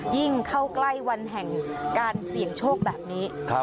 ยิ่งเข้าใกล้วันแห่งการเสี่ยงโชคแบบนี้